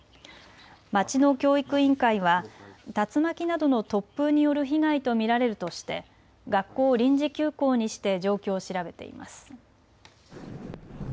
町の教育委員会は竜巻などの突風による被害と見られるとして学校を臨時休校にして状況を調べています。